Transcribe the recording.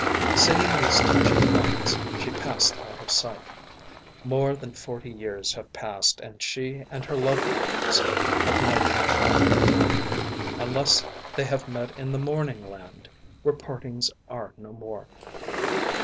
Singing these touching lines she passed out of sight. More than forty years have passed, and she and her loved ones have never met again, unless they have met in the Morning land, where partings are no more.